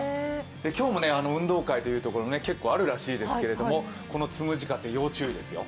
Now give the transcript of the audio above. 今日も運動会というところ、結構あるらしいですけれどこのつむじ風、要注意ですよ！